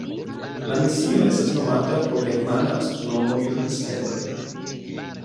La misio estas nomata pro germana astronomo Johannes Kepler.